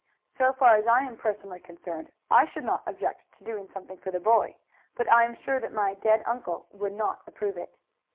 So far as I am personally concerned, I should not object to doing something for the boy, but I am sure that my dead uncle would not approve it.